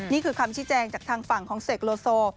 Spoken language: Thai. นี่คือคำชี้แจงจากทางฝั่งของเสกโลโซ